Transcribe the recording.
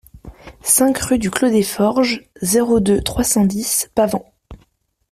cinq rue du Clos des Forges, zéro deux, trois cent dix, Pavant